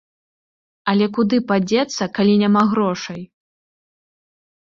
Але куды падзецца, калі няма грошай?